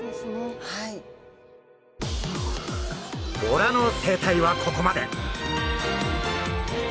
ボラの生態はここまで。